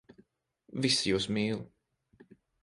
Visi jūs mīl.